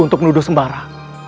untuk menuduh sembara